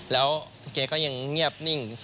แล้วแกก็ยังเงียบนิ่ง